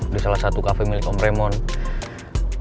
di salah satu cafe milik om raymond